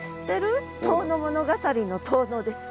「遠野物語」の遠野です。